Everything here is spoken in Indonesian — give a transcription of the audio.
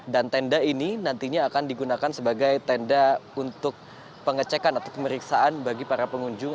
dan tenda ini nantinya akan digunakan sebagai tenda untuk pengecekan atau pemeriksaan bagi para pengunjung